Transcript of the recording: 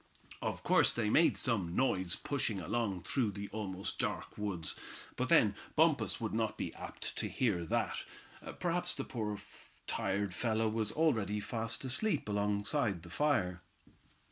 Of course they made some noise pushing along through the almost dark woods, but then Bumpus would not be apt to hear that. Perhaps the poor tired fellow was already fast asleep alongside the fire.